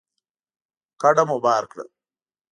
کډه مو بار کړه